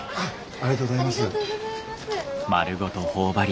ありがとうございます。